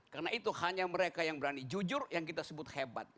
karena itu hanya mereka yang berani jujur yang kita sebut hebat